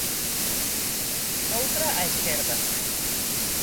Doutra a esquerda.